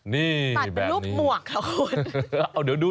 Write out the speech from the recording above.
นี่แบบนี้ตัดลูกหมวกละคุณ